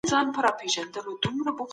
تاریخ په تېرو کلونو کې د عقدو ښکار سوی و.